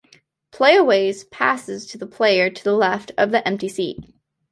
Play always passes to the player to the left of the empty seat.